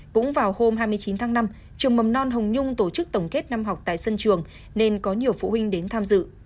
cũng vào hôm hai mươi chín tháng năm trường mầm non hồng nhung tổ chức tổng kết năm học tại sân trường nên có nhiều phụ huynh đến tham dự